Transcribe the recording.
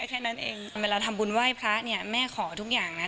แค่นั้นเองเวลาทำบุญไหว้พระเนี่ยแม่ขอทุกอย่างนะ